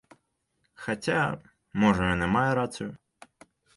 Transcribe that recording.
Хаця, можа, ён і мае рацыю.